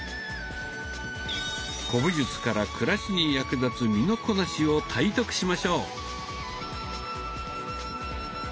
古武術から暮らしに役立つ身のこなしを体得しましょう。